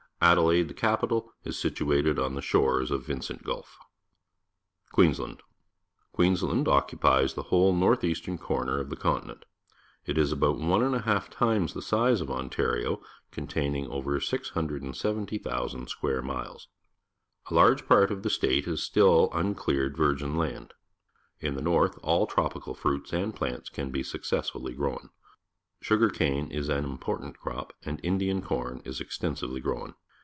Adelaide, the capital, is situated on the shores of <S/. Vincent Gv.lf. Queensland. — Qiieensland occupies the v. hole north eastern corner of the continent. It is about one and a half times the size of Ontario, containing over 670,000 square miles. A large part of the state is still un cleared \'irgin land. In the north, all trop ical fruits and plants can be successfully NEW ZEALAND 245 grown. Siigaiicane is an important crop, and I ndian cor n is extensively grown.